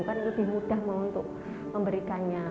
kan lebih mudah untuk memberikannya